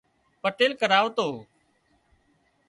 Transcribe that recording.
پٽيل ڪرواتو